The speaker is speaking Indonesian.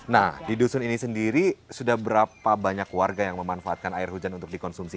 nah di dusun ini sendiri sudah berapa banyak warga yang memanfaatkan air hujan untuk dikonsumsi